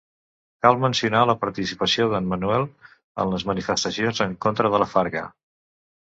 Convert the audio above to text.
Cal mencionar la participació d’en Manuel en les manifestacions en contra de La Farga.